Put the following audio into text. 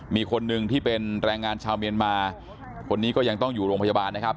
มีคนหนึ่งที่เป็นแรงงานชาวเมียนมาคนนี้ก็ยังต้องอยู่โรงพยาบาลนะครับ